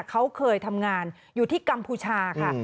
เขาเคยทำงานอยู่ที่กัมพูชาค่ะ